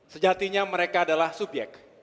sejatinya mereka adalah subyek